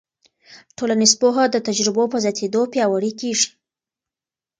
ټولنیز پوهه د تجربو په زیاتېدو پیاوړې کېږي.